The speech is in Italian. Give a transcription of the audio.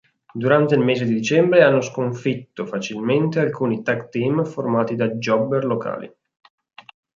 Durante il mese di dicembre hanno sconfitto facilmente alcuni tag-team formati da "jobber" locali.